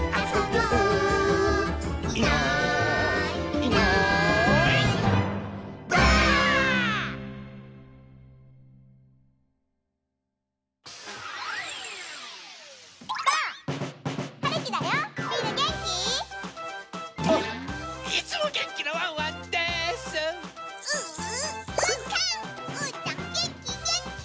うーたんげんきげんき！